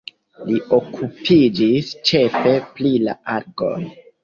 Li okupiĝis ĉefe pri la algoj.